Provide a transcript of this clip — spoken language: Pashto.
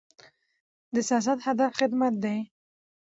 د سیاست هدف خدمت دی